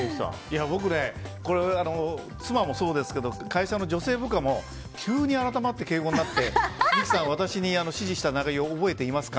妻もそうですけど会社の女性部下も急に改まって敬語になって三木さん、私に指示した内容を覚えていますか？